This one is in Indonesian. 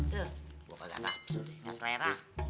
tuh buka kakak sudah gak selera